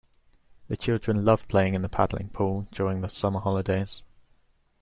The children loved playing in the paddling pool during the summer holidays